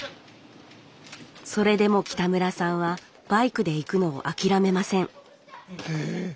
それでも北村さんはバイクで行くのを諦めません